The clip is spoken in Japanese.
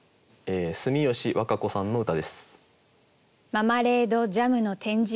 住吉和歌子さんの歌です。